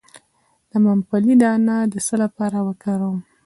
د ممپلی دانه د څه لپاره وکاروم؟